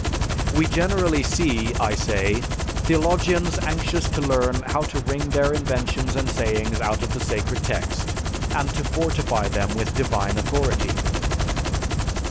We generally see, I say, theologians anxious to learn how to wring their inventions and sayings out of the sacred text, and to fortify them with divine authority."